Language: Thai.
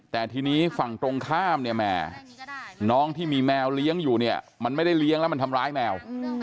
แต่ทีนี้ฝั่งตรงข้ามเนี่ยแหมน้องที่มีแมวเลี้ยงอยู่เนี่ยมันไม่ได้เลี้ยงแล้วมันทำร้ายแมว